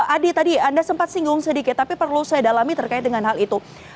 adi tadi anda sempat singgung sedikit tapi perlu saya dalami terkait dengan hal itu